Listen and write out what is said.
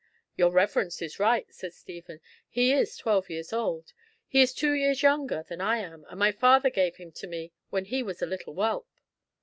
"Your reverence is right," said Stephen, "he is twelve years old. He is two years younger than I am, and my father gave him to me when he was a little whelp."